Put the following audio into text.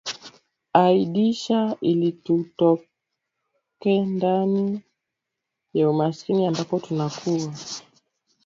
aidisha ilitutoke ndani ya umaskini ambao tunakua